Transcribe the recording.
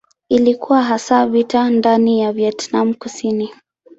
Ilikuwa hasa vita ndani ya Vietnam Kusini.